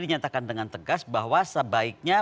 dinyatakan dengan tegas bahwa sebaiknya